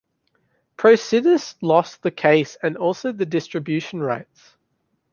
Procidis lost the case and also the distribution rights.